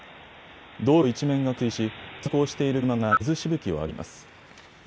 道路一面が冠水し、通行している車が水しぶきを上げています。